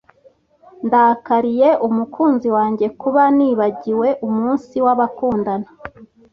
Ndakariye umukunzi wanjye kuba nibagiwe umunsi w'abakundana.